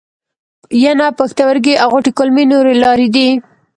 ینه، پښتورګي او غټې کولمې نورې لارې دي.